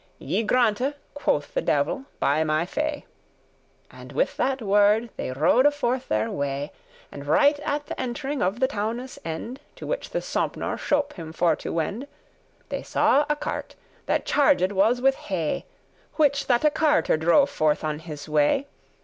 "I grante," quoth the devil, "by my fay." And with that word they rode forth their way, And right at th'ent'ring of the towne's end, To which this Sompnour shope* him for to wend, *shaped go They saw a cart, that charged was with hay, Which that a carter drove forth on his way.